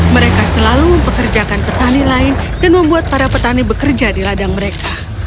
mereka selalu mempekerjakan petani lain dan membuat para petani bekerja di ladang mereka